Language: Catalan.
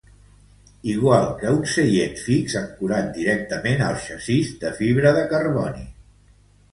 Igual que un seient fix ancorat directament al xassís de fibra de carboni.